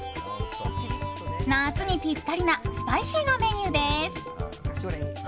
夏にぴったりなスパイシーなメニューです。